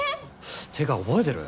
ってか覚えてる？